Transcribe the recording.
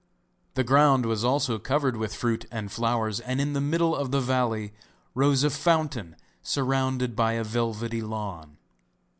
The ground was also covered with fruit and flowers, and in the middle of the valley rose a fountain surrounded by a velvety lawn.